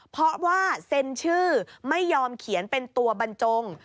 เพราะว่าเซ็นชื่อไม่ยอมเขียนเป็นตัวบรรจง